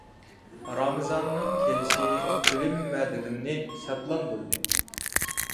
رامىزاننىڭ كېلىشى تىلىم ۋە دىلىمنى شادلاندۇردى.